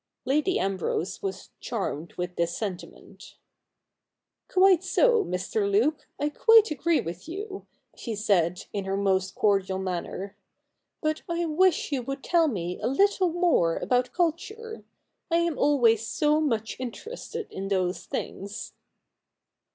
Lady Ambrose was charmed with this sentiment. ' Quite so, Mr. Luke, I quite agree with you,' she said, in her most cordial manner. ' But I wish you would tell CH. Ill] THE NEW REPUBLIC 27 me a little more about Culture. I am always so much interested in those things.'